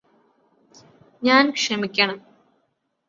ഞാന് ക്ഷമിക്കണം